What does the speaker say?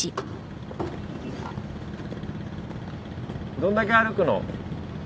どんだけ歩くの？